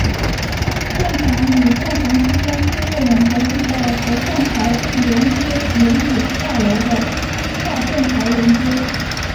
站场与站房之间通过两条地道和站台联接联检大楼的跨线桥连接。